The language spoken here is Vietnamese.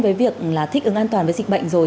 với việc là thích ứng an toàn với dịch bệnh rồi